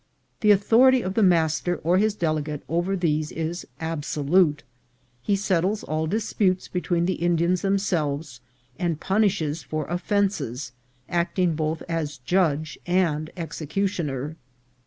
The authority of the master or his delegate over these is absolute. He settles all disputes between the Indians themselves, and punishes for of fences, acting both as judge and executioner.